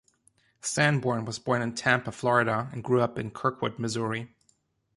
Sanborn was born in Tampa, Florida, and grew up in Kirkwood, Missouri.